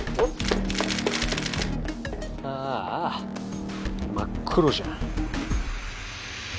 ああ真っ黒じゃん。